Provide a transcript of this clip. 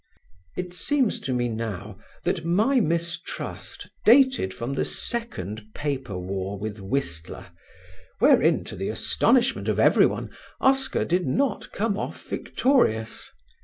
It seems to me now that my mistrust dated from the second paper war with Whistler, wherein to the astonishment of everyone Oscar did not come off victorious.